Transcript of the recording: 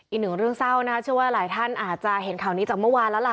อีกหนึ่งเรื่องเศร้านะเชื่อว่าหลายท่านอาจจะเห็นข่าวนี้จากเมื่อวานแล้วล่ะ